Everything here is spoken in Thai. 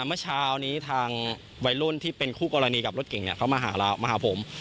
เมื่อเช้านี้ทางวัยรุ่นที่เป็นคู่กรณีกับรถเก่งเขามาหาผม